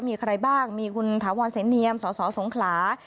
มีใครบ้างมีคุณถาวรเสนเนียมสสสงขลา